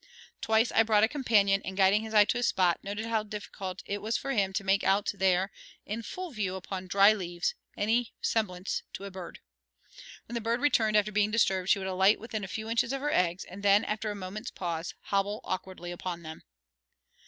Twice I brought a companion, and guiding his eye to the spot, noted how difficult it was for him to make out there, in full view upon the dry leaves, any semblance to a bird. When the bird returned after being disturbed, she would alight within a few inches of her eggs, and then, after a moment's pause, hobble awkwardly upon them.